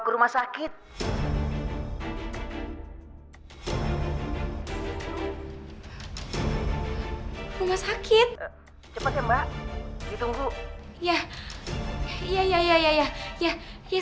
kau tuh kenapa sih